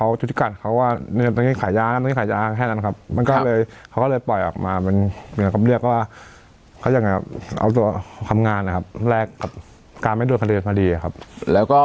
แล้วก็เขาก็ให้ไปเป็นสายของเขาแล้ว